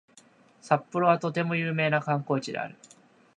札幌はとても有名な観光地である